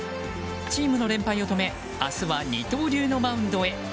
チームの連敗を止め明日は二刀流のマウンドへ。